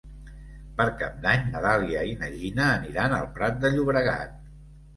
Per Cap d'Any na Dàlia i na Gina aniran al Prat de Llobregat.